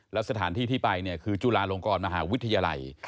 แล้วสถานที่ที่ไปเนี่ยคือจุฬาลงกรมหาวิทยาลัย